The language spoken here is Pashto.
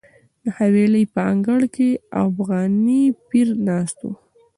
د حویلۍ په انګړ کې افغاني پیر ناست و.